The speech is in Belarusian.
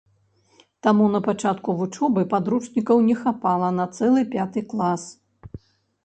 Таму на пачатку вучобы падручнікаў не хапала на цэлы пяты клас.